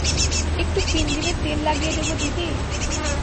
একটু পিন্দিমের তেল লাগিয়ে দেব দিদি?